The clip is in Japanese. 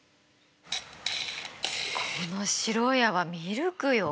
この白い泡ミルクよ。